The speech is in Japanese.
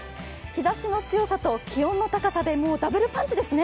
日ざしの強さと気温の高さでダブルパンチですね。